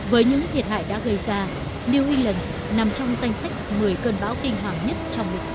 với những thiệt hại đã gây ra new yland nằm trong danh sách một mươi cơn bão kinh hoàng nhất trong lịch sử